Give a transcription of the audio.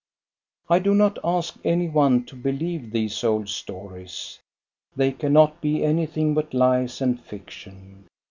I do not ask any one to believe these old stories. They cannot be anything but lies and fiction.